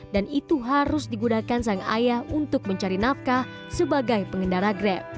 dan itu harus digunakan sang ayah untuk mencari nafkah sebagai pengendara grab